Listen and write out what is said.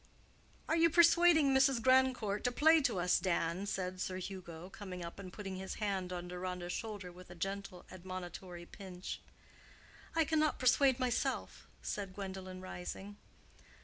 "Are you persuading Mrs. Grandcourt to play to us, Dan?" said Sir Hugo, coming up and putting his hand on Deronda's shoulder with a gentle, admonitory pinch. "I cannot persuade myself," said Gwendolen, rising.